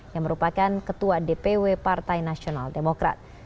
yang merupakan ketua dpw partai nasional demokrat